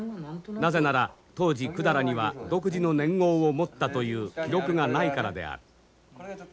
なぜなら当時百済には独自の年号を持ったという記録がないからである。